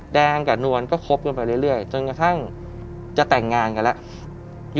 แดงกับนวลก็คบกันไปเรื่อยจนกระทั่งจะแต่งงานกันแล้ว